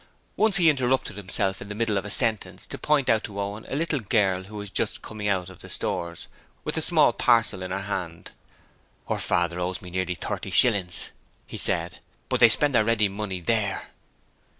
Once he interrupted himself in the middle of a sentence to point out to Owen a little girl who was just coming out of the Stores with a small parcel in her hand. 'Her father owes me nearly thirty shillings,' he said, 'but they spend their ready money there.'